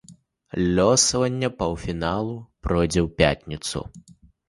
Лёсаванне паўфіналу пройдзе ў пятніцу.